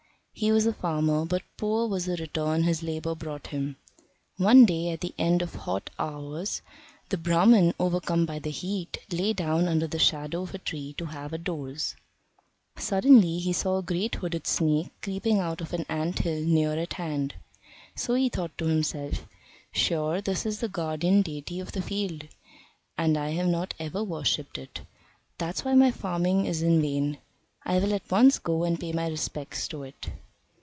He was a farmer, but poor was the return his labour brought him. One day, at the end of the hot hours, the Brahman, overcome by the heat, lay down under the shadow of a tree to have a doze. Suddenly he saw a great hooded snake creeping out of an ant hill near at hand. So he thought to himself, "Sure this is the guardian deity of the field, and I have not ever worshipped it. That's why my farming is in vain. I will at once go and pay my respects to it."